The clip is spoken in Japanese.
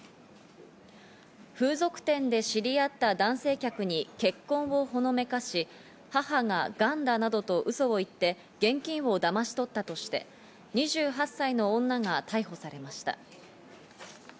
風俗店で知り合った男性客に結婚をほのめかし、母ががんだ、などとウソを言って、現金をだまし取ったとして、２８歳の女が逮捕されました。